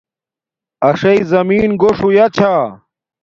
اݽݵ زمین گوݽ ہویا چھا